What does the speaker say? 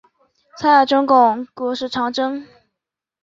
参加了中央苏区历次反围剿战争和长征。